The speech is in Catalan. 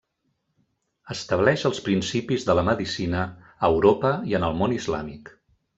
Estableix els principis de la medicina a Europa i en el món islàmic.